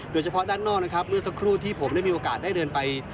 โดยเฉพาะด้านนอกนะครับเมื่อสักครู่ที่ผมได้มีโอกาสได้เดินไป